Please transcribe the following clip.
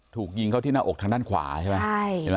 ถูกยิงเข้าที่หน้าอกทางด้านขวาใช่ไหม